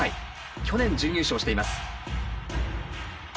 去年準優勝しています。